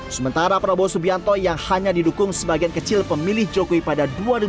sementara prabowo subianto yang hanya didukung sebagian kecil pemilih jokowi pada dua ribu dua puluh